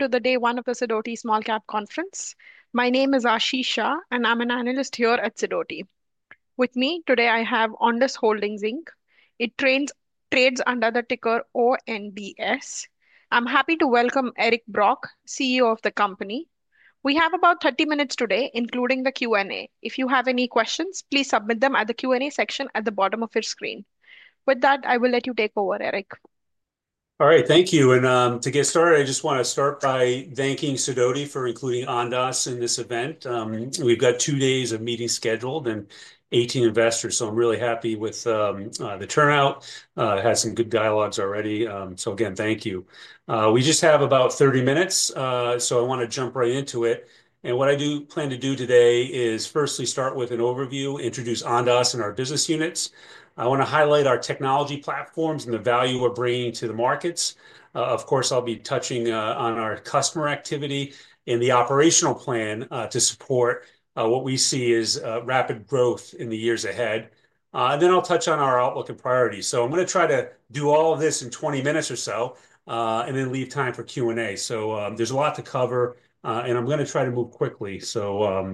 To the Day 1 of the Sidoti Small Cap Conference. My name is Aashi Shah, and I'm an analyst here at Sidoti. With me today, I have Ondas Holdings Inc. It trades under the ticker ONDS. I'm happy to welcome Eric Brock, CEO of the company. We have about 30 minutes today, including the Q&A. If you have any questions, please submit them at the Q&A section at the bottom of your screen. With that, I will let you take over, Eric. All right, thank you. To get started, I just want to start by thanking Sidoti for including Ondas in this event. We've got two days of meetings scheduled and 18 investors, so I'm really happy with the turnout. Had some good dialogues already. Again, thank you. We just have about 30 minutes, so I want to jump right into it. What I do plan to do today is firstly start with an overview, introduce Ondas and our business units. I want to highlight our technology platforms and the value we're bringing to the markets. Of course, I'll be touching on our customer activity and the operational plan to support what we see as rapid growth in the years ahead. Then I'll touch on our outlook and priorities. I'm going to try to do all of this in 20 minutes or so and then leave time for Q&A. There's a lot to cover, and I'm going to try to move quickly. Let's do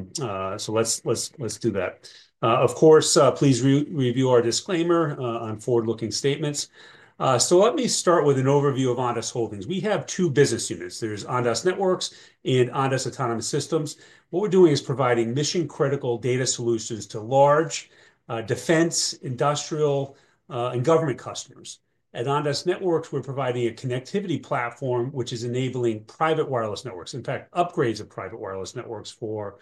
that. Of course, please review our disclaimer on forward-looking statements. Let me start with an overview of Ondas Holdings. We have two business units. There's Ondas Networks and Ondas Autonomous Systems. What we're doing is providing mission-critical data solutions to large defense, industrial, and government customers. At Ondas Networks, we're providing a connectivity platform which is enabling private wireless networks, in fact, upgrades of private wireless networks for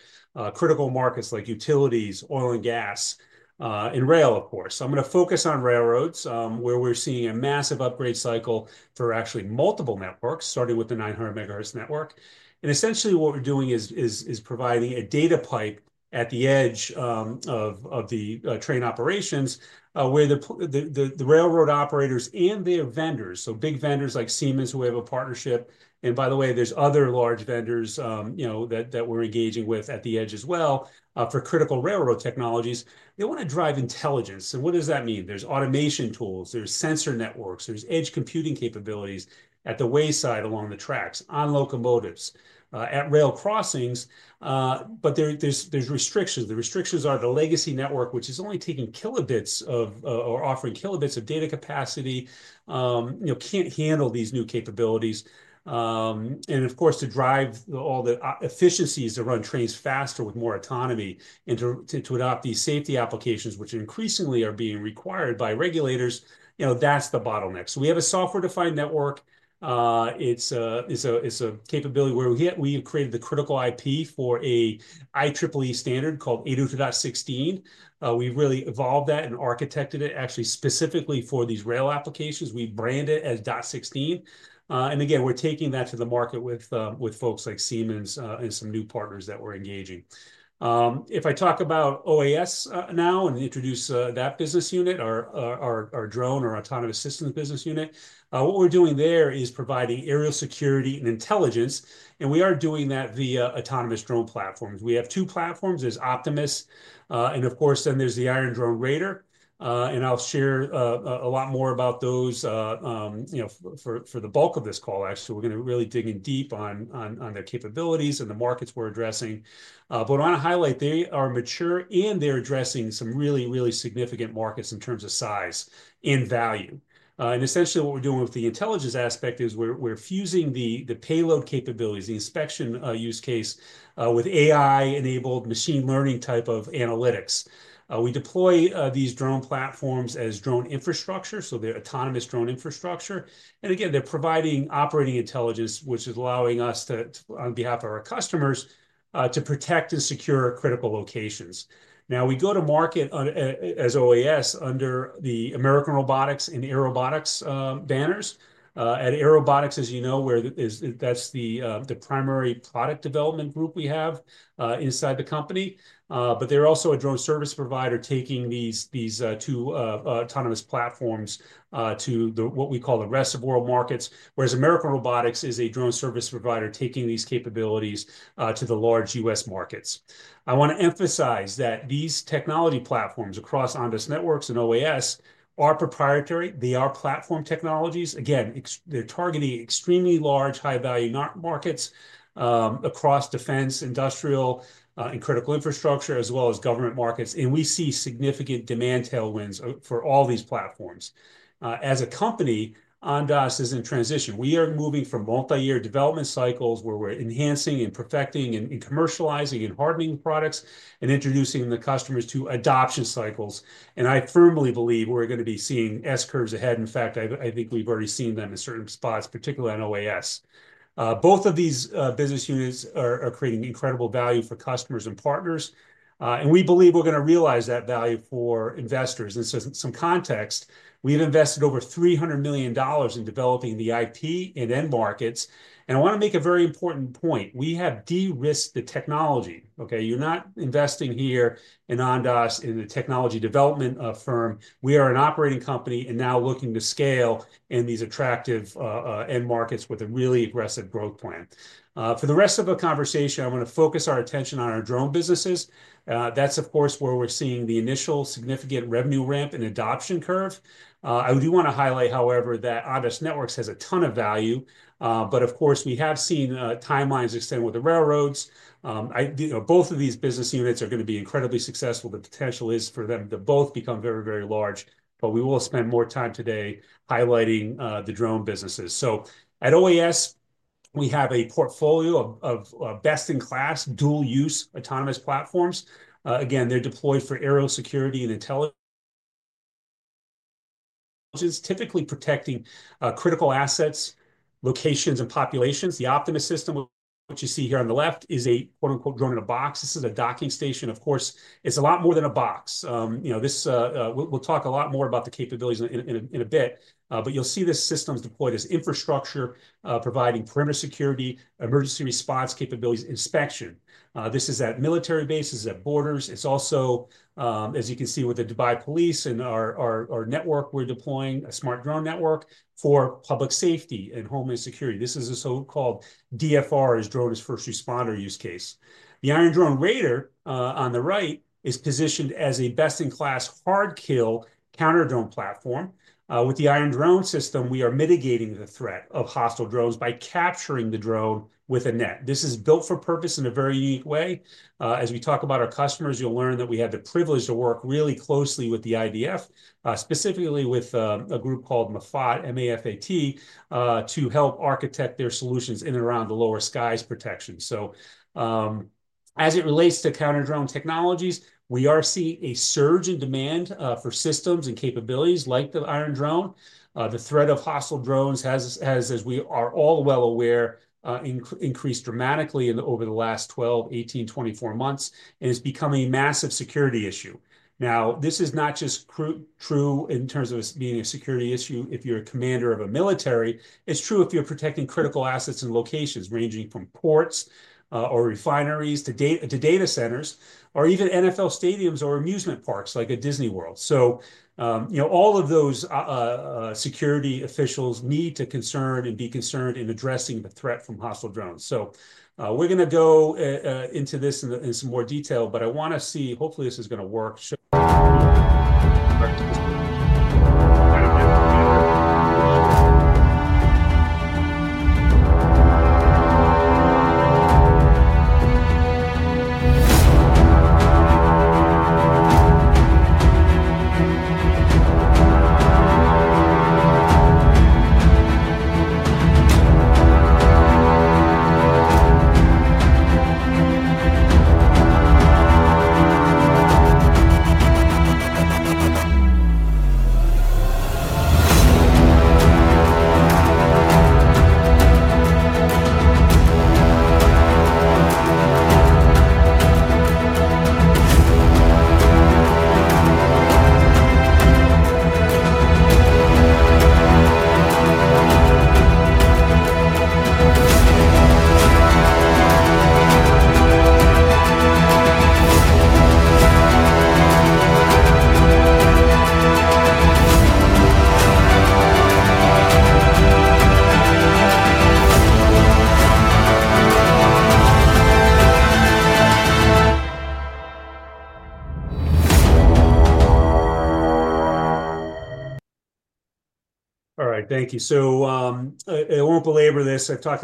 critical markets like utilities, oil and gas, and rail, of course. I'm going to focus on railroads, where we're seeing a massive upgrade cycle for actually multiple networks, starting with the 900 megahertz network. Essentially, what we're doing is providing a data pipe at the edge of the train operations where the railroad operators and their vendors, so big vendors like Siemens, who we have a partnership with, and by the way, there's other large vendors that we're engaging with at the edge as well for critical railroad technologies. They want to drive intelligence. What does that mean? There's automation tools, there's sensor networks, there's edge computing capabilities at the wayside along the tracks, on locomotives, at rail crossings. There's restrictions. The restrictions are the legacy network, which is only taking kilobits or offering kilobits of data capacity, can't handle these new capabilities. Of course, to drive all the efficiencies, to run trains faster with more autonomy, and to adopt these safety applications, which increasingly are being required by regulators, that's the bottleneck. We have a software-defined network. It's a capability where we have created the critical IP for an IEEE standard called 802.16. We really evolved that and architected it actually specifically for these rail applications. We brand it as .16. Again, we're taking that to the market with folks like Siemens and some new partners that we're engaging. If I talk about OAS now and introduce that business unit, our drone or autonomous systems business unit, what we're doing there is providing aerial security and intelligence. We are doing that via autonomous drone platforms. We have two platforms. There's Optimus. Of course, then there's the Iron Drone Raider. I'll share a lot more about those for the bulk of this call, actually. We're going to really dig in deep on their capabilities and the markets we're addressing. I want to highlight they are mature and they're addressing some really, really significant markets in terms of size and value. Essentially, what we're doing with the intelligence aspect is we're fusing the payload capabilities, the inspection use case with AI-enabled machine learning type of analytics. We deploy these drone platforms as drone infrastructure, so they're autonomous drone infrastructure. Again, they're providing operating intelligence, which is allowing us, on behalf of our customers, to protect and secure critical locations. We go to market as OAS under the American Robotics and Airobotics banners. At Airobotics, as you know, that's the primary product development group we have inside the company. They're also a drone service provider taking these two autonomous platforms to what we call the reservoir markets, whereas American Robotics is a drone service provider taking these capabilities to the large U.S. markets. I want to emphasize that these technology platforms across Ondas Networks and OAS are proprietary. They are platform technologies. Again, they're targeting extremely large, high-value markets across defense, industrial, and critical infrastructure, as well as government markets. We see significant demand tailwinds for all these platforms. As a company, Ondas is in transition. We are moving from multi-year development cycles where we're enhancing and perfecting and commercializing and hardening products and introducing the customers to adoption cycles. I firmly believe we're going to be seeing S curves ahead. In fact, I think we've already seen them in certain spots, particularly on OAS. Both of these business units are creating incredible value for customers and partners. We believe we're going to realize that value for investors. Some context, we've invested over $300 million in developing the IP and end markets. I want to make a very important point. We have de-risked the technology. Okay? You're not investing here in Ondas in the technology development firm. We are an operating company and now looking to scale in these attractive end markets with a really aggressive growth plan. For the rest of the conversation, I want to focus our attention on our drone businesses. That's, of course, where we're seeing the initial significant revenue ramp and adoption curve. I do want to highlight, however, that Ondas Networks has a ton of value. Of course, we have seen timelines extend with the railroads. Both of these business units are going to be incredibly successful. The potential is for them to both become very, very large. We will spend more time today highlighting the drone businesses. At OAS, we have a portfolio of best-in-class dual-use autonomous platforms. Again, they're deployed for aerial security and intelligence, typically protecting critical assets, locations, and populations. The Optimus system, which you see here on the left, is a "drone in a box." This is a docking station. Of course, it's a lot more than a box. We'll talk a lot more about the capabilities in a bit. You'll see this system deployed as infrastructure, providing perimeter security, emergency response capabilities, inspection. This is at military bases, at borders. It's also, as you can see, with the Dubai Police and our network. We're deploying a smart drone network for public safety and homeland security. This is a so-called DFR, drone as first responder use case. The Iron Drone Raider on the right is positioned as a best-in-class hard kill counter-drone platform. With the Iron Drone system, we are mitigating the threat of hostile drones by capturing the drone with a net. This is built for purpose in a very unique way. As we talk about our customers, you'll learn that we have the privilege to work really closely with the IDF, specifically with a group called MAFAT to help architect their solutions in and around the lower skies protection. As it relates to counter-drone technologies, we are seeing a surge in demand for systems and capabilities like the Iron Drone. The threat of hostile drones has, as we are all well aware, increased dramatically over the last 12, 18, 24 months, and it's becoming a massive security issue. This is not just true in terms of being a security issue if you're a commander of a military. It's true if you're protecting critical assets and locations ranging from ports or refineries to data centers or even NFL stadiums or amusement parks like a Disney World. All of those security officials need to concern and be concerned in addressing the threat from hostile drones. We're going to go into this in some more detail, but I want to see, hopefully, this is going to work. All right, thank you. I won't belabor this. I've talked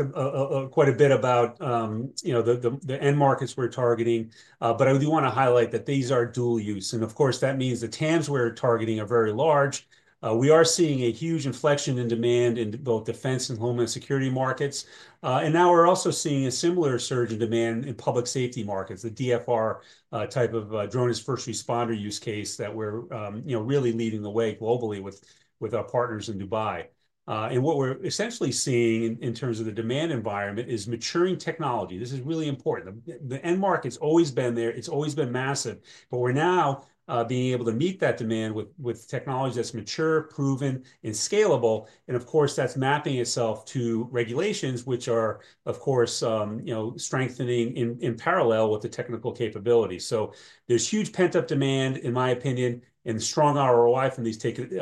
quite a bit about the end markets we're targeting, but I do want to highlight that these are dual use. Of course, that means the TAMs we're targeting are very large. We are seeing a huge inflection in demand in both defense and homeland security markets. Now we're also seeing a similar surge in demand in public safety markets, the DFR type of drone as first responder use case that we're really leading the way globally with our partners in Dubai. What we're essentially seeing in terms of the demand environment is maturing technology. This is really important. The end market's always been there. It's always been massive. We're now being able to meet that demand with technology that's mature, proven, and scalable. Of course, that's mapping itself to regulations, which are, of course, strengthening in parallel with the technical capability. There's huge pent-up demand, in my opinion, and strong ROI from these technology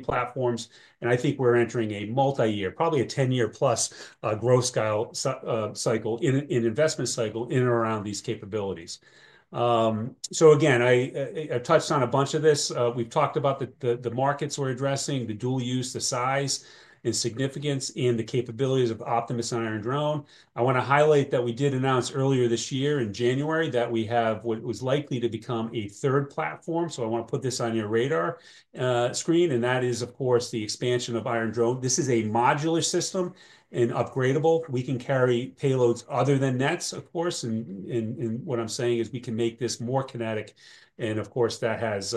platforms. I think we're entering a multi-year, probably a 10-year-plus growth cycle in investment cycle in and around these capabilities. I touched on a bunch of this. We've talked about the markets we're addressing, the dual use, the size and significance, and the capabilities of Optimus and Iron Drone. I want to highlight that we did announce earlier this year in January that we have what was likely to become a third platform. I want to put this on your radar screen. That is, of course, the expansion of Iron Drone. This is a modular system and upgradable. We can carry payloads other than nets, of course. What I'm saying is we can make this more kinetic. Of course, that has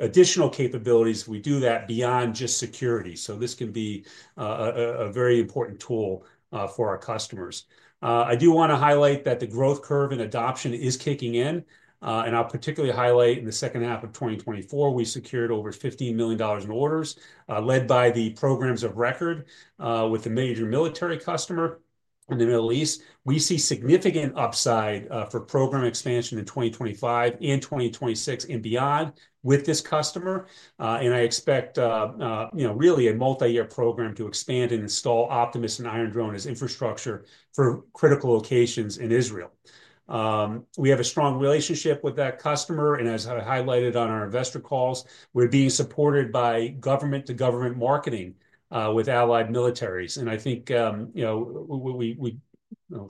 additional capabilities. We do that beyond just security. This can be a very important tool for our customers. I do want to highlight that the growth curve and adoption is kicking in. I'll particularly highlight in the second half of 2024, we secured over $15 million in orders led by the programs of record with a major military customer in the Middle East. We see significant upside for program expansion in 2025 and 2026 and beyond with this customer. I expect really a multi-year program to expand and install Optimus and Iron Drone as infrastructure for critical locations in Israel. We have a strong relationship with that customer. As I highlighted on our investor calls, we're being supported by government-to-government marketing with allied militaries. I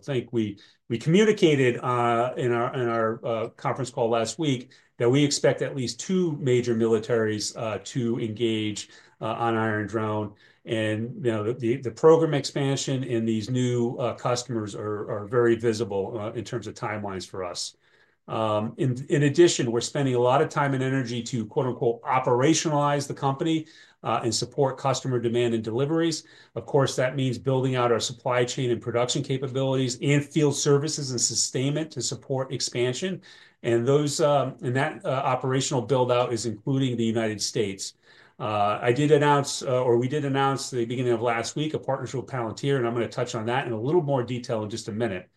think we communicated in our conference call last week that we expect at least two major militaries to engage on Iron Drone. The program expansion and these new customers are very visible in terms of timelines for us. In addition, we're spending a lot of time and energy to "operationalize" the company and support customer demand and deliveries. Of course, that means building out our supply chain and production capabilities and field services and sustainment to support expansion. That operational build-out is including the United States. I did announce, or we did announce the beginning of last week, a partnership with Palantir. I'm going to touch on that in a little more detail in just a minute.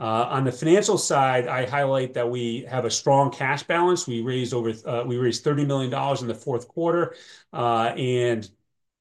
On the financial side, I highlight that we have a strong cash balance. We raised $30 million in the fourth quarter, and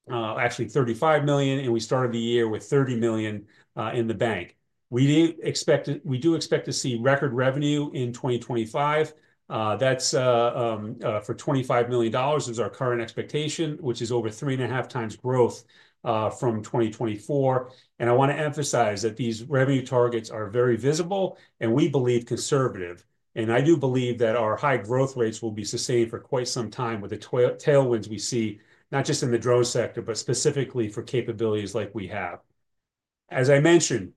actually $35 million. We started the year with $30 million in the bank. We do expect to see record revenue in 2025. That's for $25 million. It was our current expectation, which is over three and a half times growth from 2024. I want to emphasize that these revenue targets are very visible and we believe conservative. I do believe that our high growth rates will be sustained for quite some time with the tailwinds we see, not just in the drone sector, but specifically for capabilities like we have. As I mentioned,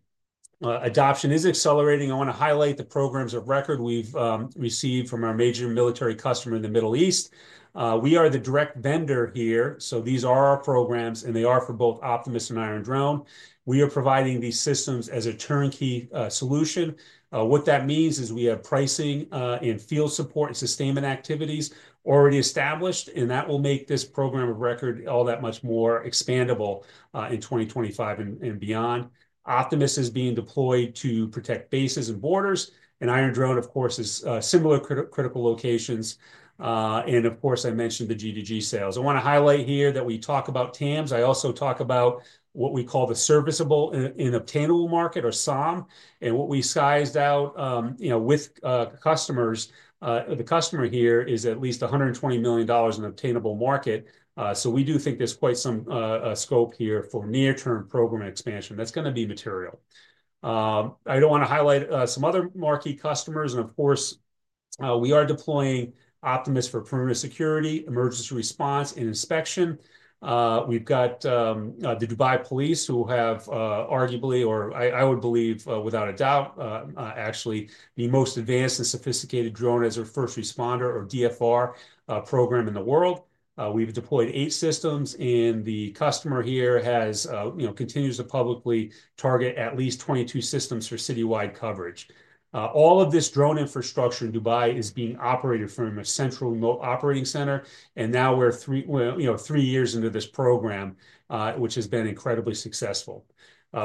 adoption is accelerating. I want to highlight the programs of record we've received from our major military customer in the Middle East. We are the direct vendor here. These are our programs, and they are for both Optimus and Iron Drone. We are providing these systems as a turnkey solution. What that means is we have pricing and field support and sustainment activities already established. That will make this program of record all that much more expandable in 2025 and beyond. Optimus is being deployed to protect bases and borders. Iron Drone, of course, is similar critical locations. Of course, I mentioned the G2G sales. I want to highlight here that we talk about TAMs. I also talk about what we call the serviceable and obtainable market, or SOM. What we sized out with customers, the customer here is at least $120 million in obtainable market. We do think there's quite some scope here for near-term program expansion. That's going to be material. I want to highlight some other marquee customers. Of course, we are deploying Optimus for perimeter security, emergency response, and inspection. We've got the Dubai Police who have arguably, or I would believe without a doubt, actually the most advanced and sophisticated drone as a first responder or DFR program in the world. We've deployed eight systems, and the customer here continues to publicly target at least 22 systems for citywide coverage. All of this drone infrastructure in Dubai is being operated from a central remote operating center. Now we're three years into this program, which has been incredibly successful.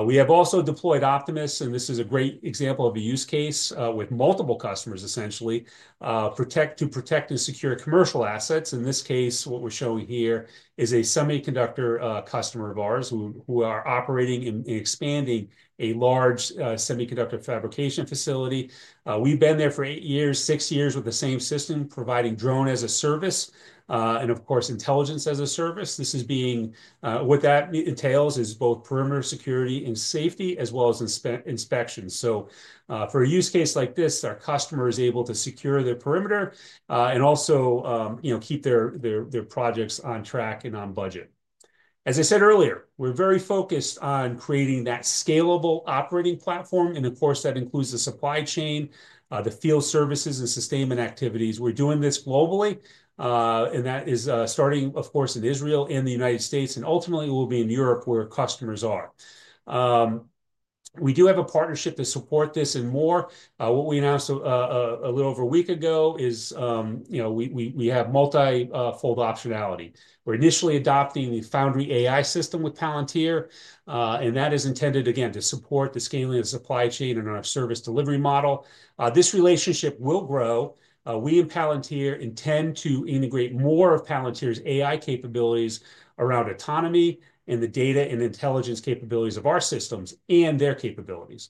We have also deployed Optimus, and this is a great example of a use case with multiple customers, essentially, to protect and secure commercial assets. In this case, what we're showing here is a semiconductor customer of ours who are operating and expanding a large semiconductor fabrication facility. We've been there for eight years, six years with the same system, providing drone as a service and, of course, intelligence as a service. This is being what that entails is both perimeter security and safety as well as inspection. For a use case like this, our customer is able to secure their perimeter and also keep their projects on track and on budget. As I said earlier, we're very focused on creating that scalable operating platform. That includes the supply chain, the field services, and sustainment activities. We're doing this globally. That is starting, of course, in Israel and the United States. Ultimately, it will be in Europe where customers are. We do have a partnership to support this and more. What we announced a little over a week ago is we have multi-fold optionality. We're initially adopting the Foundry AI system with Palantir. That is intended, again, to support the scaling of the supply chain and our service delivery model. This relationship will grow. We and Palantir intend to integrate more of Palantir's AI capabilities around autonomy and the data and intelligence capabilities of our systems and their capabilities.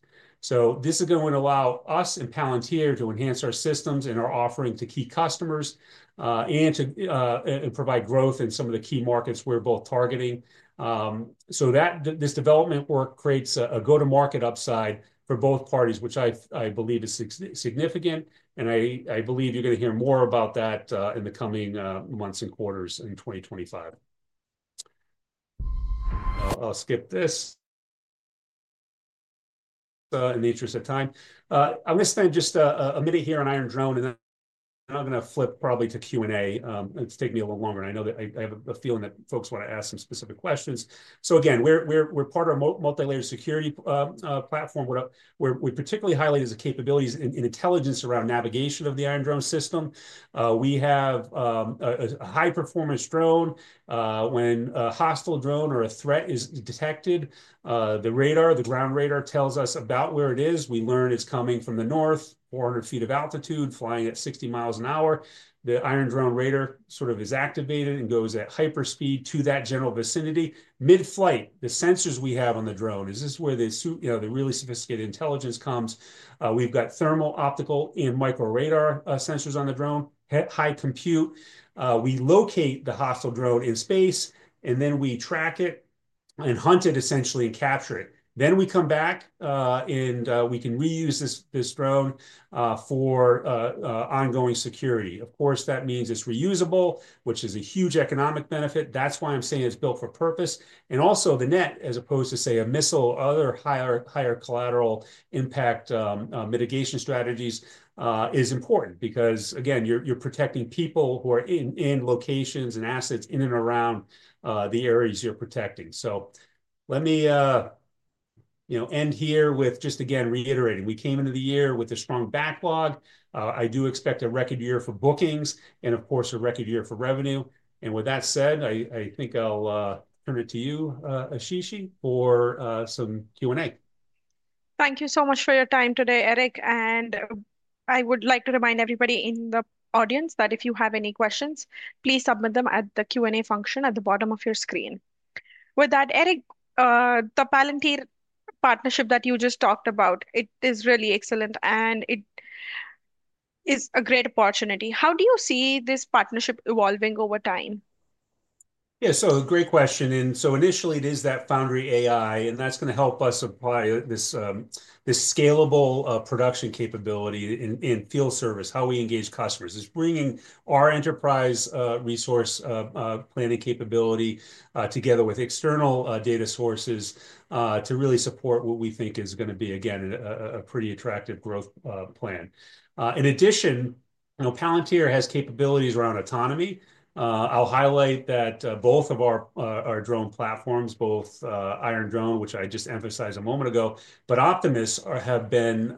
This is going to allow us and Palantir to enhance our systems and our offering to key customers and to provide growth in some of the key markets we're both targeting. This development work creates a go-to-market upside for both parties, which I believe is significant. I believe you're going to hear more about that in the coming months and quarters in 2025. I'll skip this in the interest of time. I'm going to spend just a minute here on Iron Drone. Then I'm going to flip probably to Q&A. It's taking me a little longer. I know that I have a feeling that folks want to ask some specific questions. Again, we're part of a multi-layer security platform. We particularly highlight the capabilities and intelligence around navigation of the Iron Drone system. We have a high-performance drone. When a hostile drone or a threat is detected, the ground radar tells us about where it is. We learn it's coming from the north, 400 feet of altitude, flying at 60 mi an hour. The Iron Drone Raider is activated and goes at hyperspeed to that general vicinity. Mid-flight, the sensors we have on the drone, this is where the really sophisticated intelligence comes. We've got thermal, optical, and micro-radar sensors on the drone, high compute. We locate the hostile drone in space, and then we track it and hunt it, essentially, and capture it. Then we come back, and we can reuse this drone for ongoing security. Of course, that means it's reusable, which is a huge economic benefit. That is why I'm saying it's built for purpose. Also, the net, as opposed to, say, a missile, other higher collateral impact mitigation strategies is important because, again, you're protecting people who are in locations and assets in and around the areas you're protecting. Let me end here with just, again, reiterating. We came into the year with a strong backlog. I do expect a record year for bookings and, of course, a record year for revenue. With that said, I think I'll turn it to you, Aashi, for some Q&A. Thank you so much for your time today, Eric. I would like to remind everybody in the audience that if you have any questions, please submit them at the Q&A function at the bottom of your screen. With that, Eric, the Palantir partnership that you just talked about, it is really excellent, and it is a great opportunity. How do you see this partnership evolving over time? Yeah, great question. Initially, it is that Foundry AI, and that's going to help us apply this scalable production capability and field service, how we engage customers. It's bringing our enterprise resource planning capability together with external data sources to really support what we think is going to be, again, a pretty attractive growth plan. In addition, Palantir has capabilities around autonomy. I'll highlight that both of our drone platforms, both Iron Drone, which I just emphasized a moment ago, but Optimus have been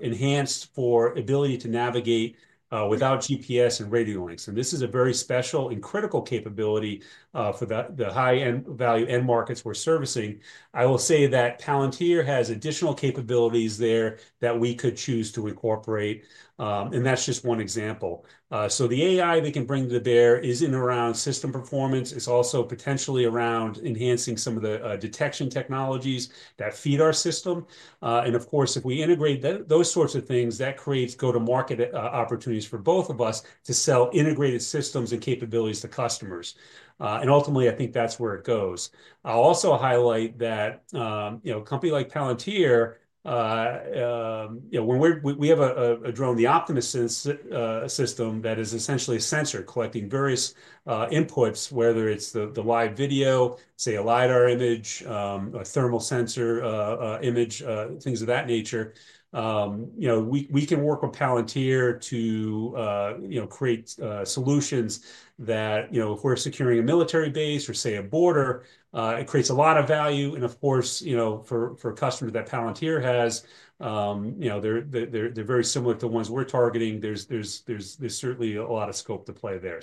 enhanced for ability to navigate without GPS and radio links. This is a very special and critical capability for the high-end value end markets we're servicing. I will say that Palantir has additional capabilities there that we could choose to incorporate. That's just one example. The AI they can bring to the bear is in around system performance. It's also potentially around enhancing some of the detection technologies that feed our system. Of course, if we integrate those sorts of things, that creates go-to-market opportunities for both of us to sell integrated systems and capabilities to customers. Ultimately, I think that's where it goes. I'll also highlight that a company like Palantir, when we have a drone, the Optimus system that is essentially a sensor collecting various inputs, whether it's the live video, say, a LiDAR image, a thermal sensor image, things of that nature, we can work with Palantir to create solutions that, if we're securing a military base or, say, a border, it creates a lot of value. For customers that Palantir has, they're very similar to the ones we're targeting. There's certainly a lot of scope to play there.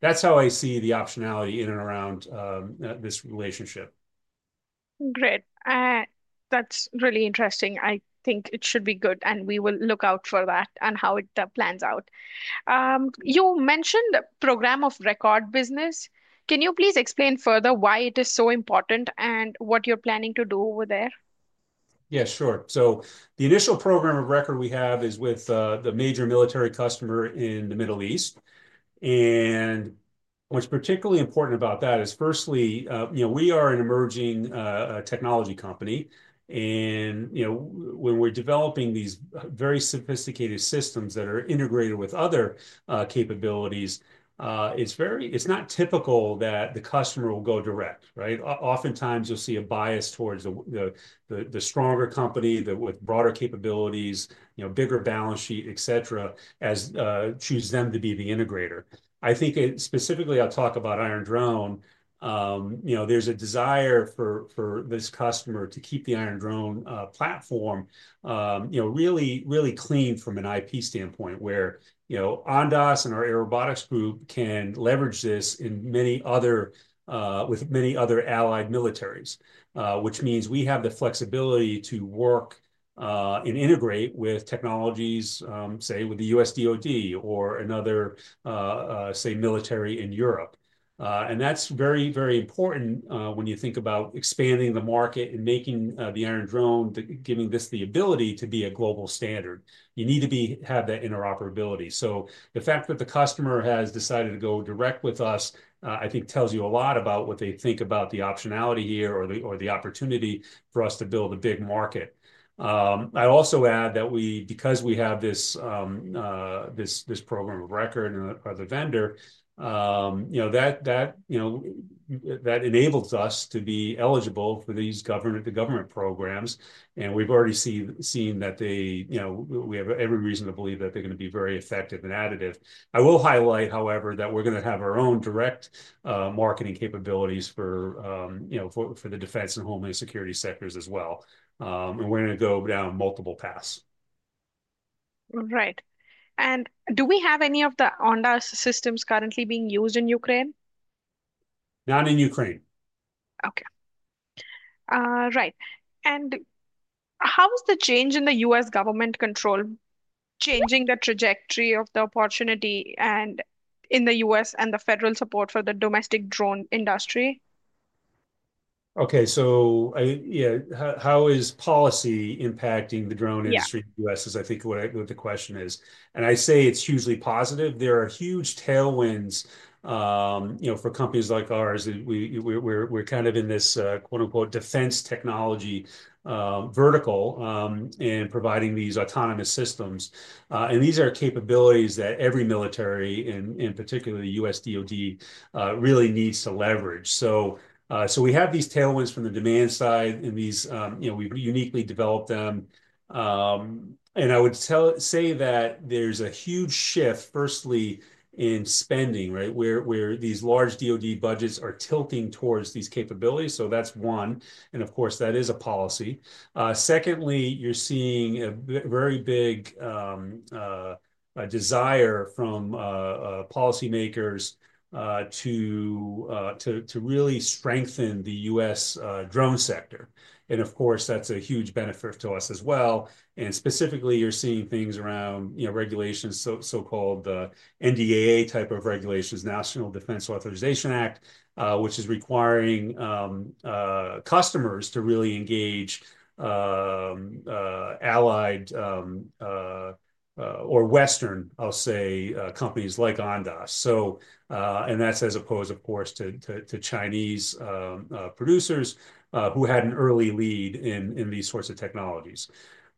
That's how I see the optionality in and around this relationship. Great. That's really interesting. I think it should be good, and we will look out for that and how it plans out. You mentioned the program of record business. Can you please explain further why it is so important and what you're planning to do over there? Yeah, sure. The initial program of record we have is with the major military customer in the Middle East. What's particularly important about that is, firstly, we are an emerging technology company. When we're developing these very sophisticated systems that are integrated with other capabilities, it's not typical that the customer will go direct. Oftentimes, you'll see a bias towards the stronger company with broader capabilities, bigger balance sheet, etc., as chooses them to be the integrator. I think specifically, I'll talk about Iron Drone. There's a desire for this customer to keep the Iron Drone platform really clean from an IP standpoint, where Ondas and our Airobotics group can leverage this with many other allied militaries, which means we have the flexibility to work and integrate with technologies, say, with the U.S. DOD or another, say, military in Europe. That is very, very important when you think about expanding the market and making the Iron Drone, giving this the ability to be a global standard. You need to have that interoperability. The fact that the customer has decided to go direct with us, I think, tells you a lot about what they think about the optionality here or the opportunity for us to build a big market. I'd also add that because we have this program of record or the vendor, that enables us to be eligible for the government programs. We've already seen that we have every reason to believe that they're going to be very effective and additive. I will highlight, however, that we're going to have our own direct marketing capabilities for the defense and homeland security sectors as well. We're going to go down multiple paths. Right. Do we have any of the Ondas systems currently being used in Ukraine? Not in Ukraine. Okay. Right. How is the change in the U.S. government control changing the trajectory of the opportunity in the U.S. and the federal support for the domestic drone industry? Okay. So yeah, how is policy impacting the drone industry in the U.S. is, I think, what the question is. I say it's hugely positive. There are huge tailwinds for companies like ours. We're kind of in this "defense technology vertical" and providing these autonomous systems. These are capabilities that every military, and particularly the U.S. DOD, really needs to leverage. We have these tailwinds from the demand side, and we've uniquely developed them. I would say that there's a huge shift, firstly, in spending, where these large DOD budgets are tilting towards these capabilities. That's one. Of course, that is a policy. Secondly, you're seeing a very big desire from policymakers to really strengthen the U.S. drone sector. Of course, that's a huge benefit to us as well. Specifically, you're seeing things around regulations, so-called NDAA type of regulations, National Defense Authorization Act, which is requiring customers to really engage allied or Western, I'll say, companies like Ondas. That's as opposed, of course, to Chinese producers who had an early lead in these sorts of technologies.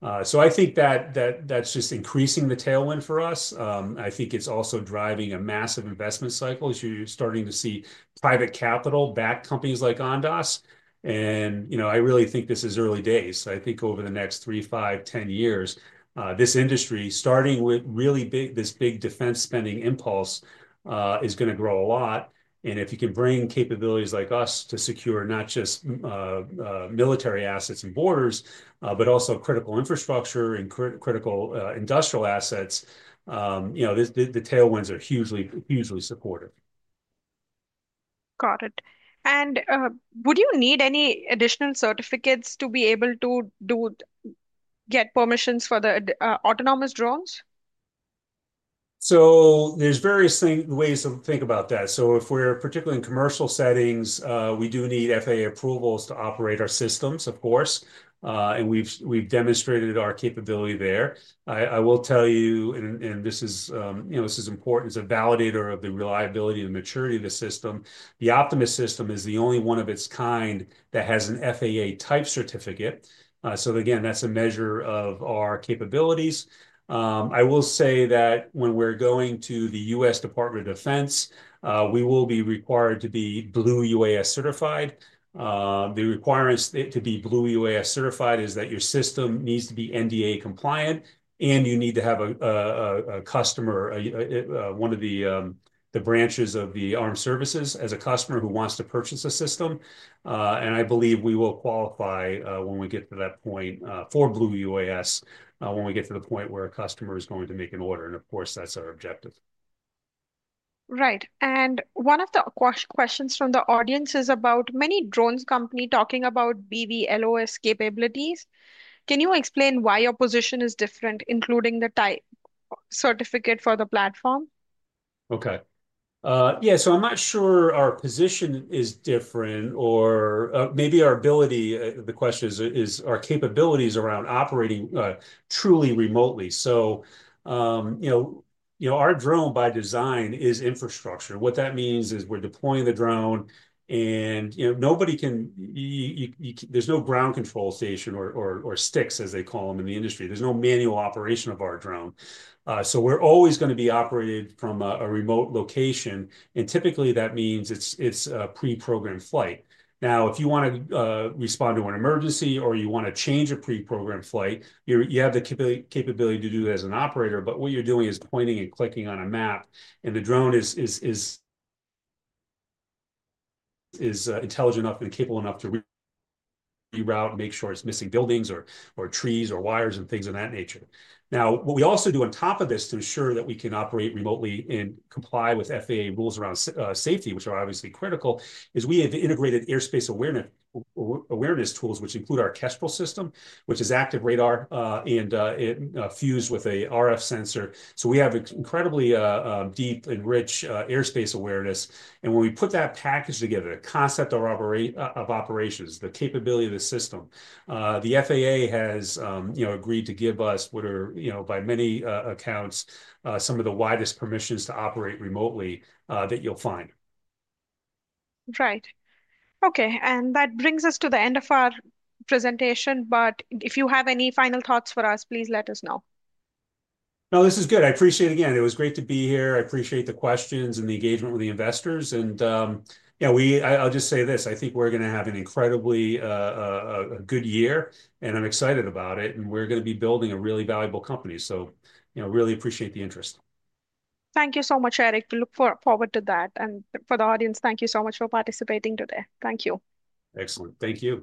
I think that that's just increasing the tailwind for us. I think it's also driving a massive investment cycle as you're starting to see private capital back companies like Ondas. I really think this is early days. I think over the next 3, 5, 10 years, this industry, starting with this big defense spending impulse, is going to grow a lot. If you can bring capabilities like us to secure not just military assets and borders, but also critical infrastructure and critical industrial assets, the tailwinds are hugely supportive. Got it. Would you need any additional certificates to be able to get permissions for the autonomous drones? There are various ways to think about that. If we're particularly in commercial settings, we do need FAA approvals to operate our systems, of course. We've demonstrated our capability there. I will tell you, and this is important, as a validator of the reliability and maturity of the system, the Optimus system is the only one of its kind that has an FAA-type certificate. Again, that's a measure of our capabilities. I will say that when we're going to the U.S. Department of Defense, we will be required to be Blue UAS certified. The requirements to be Blue UAS certified is that your system needs to be NDAA compliant, and you need to have a customer, one of the branches of the armed services, as a customer who wants to purchase a system. I believe we will qualify when we get to that point for Blue UAS when we get to the point where a customer is going to make an order. Of course, that's our objective. Right. One of the questions from the audience is about many drones companies talking about BVLOS capabilities. Can you explain why your position is different, including the certificate for the platform? Okay. Yeah. I'm not sure our position is different or maybe our ability. The question is our capabilities around operating truly remotely. Our drone, by design, is infrastructure. What that means is we're deploying the drone, and there's no ground control station or sticks, as they call them in the industry. There's no manual operation of our drone. We're always going to be operated from a remote location. Typically, that means it's a pre-programmed flight. Now, if you want to respond to an emergency or you want to change a pre-programmed flight, you have the capability to do that as an operator. What you're doing is pointing and clicking on a map, and the drone is intelligent enough and capable enough to reroute and make sure it's missing buildings or trees or wires and things of that nature. Now, what we also do on top of this to ensure that we can operate remotely and comply with FAA rules around safety, which are obviously critical, is we have integrated airspace awareness tools, which include our Kestrel system, which is active radar and fused with an RF sensor. We have incredibly deep and rich airspace awareness. When we put that package together, the concept of operations, the capability of the system, the FAA has agreed to give us what are, by many accounts, some of the widest permissions to operate remotely that you'll find. Right. Okay. That brings us to the end of our presentation. If you have any final thoughts for us, please let us know. No, this is good. I appreciate it again. It was great to be here. I appreciate the questions and the engagement with the investors. I will just say this. I think we are going to have an incredibly good year, and I am excited about it. We are going to be building a really valuable company. I really appreciate the interest. Thank you so much, Eric. We look forward to that. For the audience, thank you so much for participating today. Thank you. Excellent. Thank you.